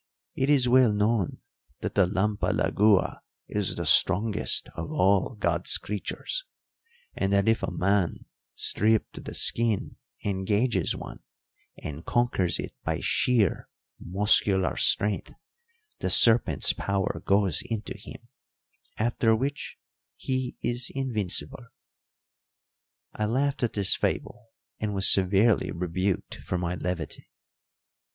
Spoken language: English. It is well known that the lampalagua is the strongest of all God's creatures, and that if a man, stripped to the skin, engages one, and conquers it by sheer muscular strength, the serpent's power goes into him, after which he is invincible." I laughed at this fable, and was severely rebuked for my levity.